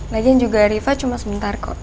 lagian juga riva cuma sementar kok